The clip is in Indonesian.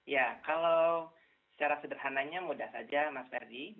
ya kalau secara sederhananya mudah saja mas ferdi